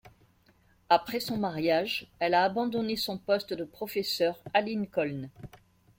Après son mariage, elle a abandonné son poste de professeur à Lincoln.